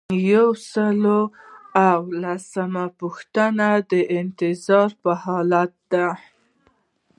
یو سل او لسمه پوښتنه د انتظار حالت دی.